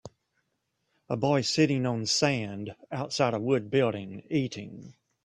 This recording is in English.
A boy sitting on sand outside a wood building eating.